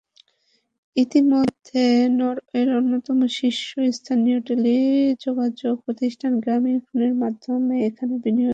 ইতিমধ্যে নরওয়ের অন্যতম শীর্ষস্থানীয় টেলিযোগাযোগ প্রতিষ্ঠান গ্রামীণফোনের মাধ্যমে এখানে বিনিয়োগ করেছে।